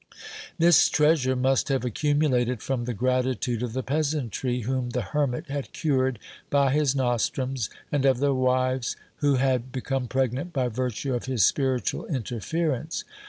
This treasure must have accumulated from the gratitude of the peasantry, whom the hermit had cured by his nostrums, and of their wives, who had be come pregnant by virtue of his spiritual interference.